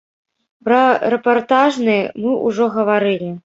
Пра рэпартажны мы ўжо гаварылі.